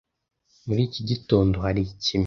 Muri iki gitondo hari ikime.